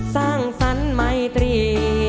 สร้างสรรค์ไมตรี